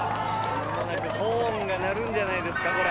間もなくホーンが鳴るんじゃないですかこれ。